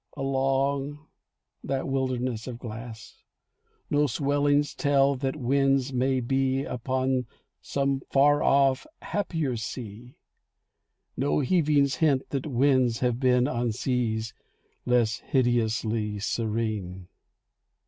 Along that wilderness of glass— No swellings tell that winds may be Upon some far off happier sea— No heavings hint that winds have been On seas less hideously serene.